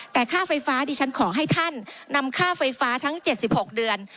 แต่ค่าไฟฟ้าดิฉันขอให้ท่านนำค่าไฟฟ้าทั้ง๗๖เดือน